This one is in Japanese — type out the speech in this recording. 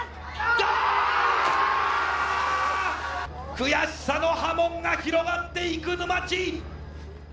悔しさの波紋が広がっていく沼地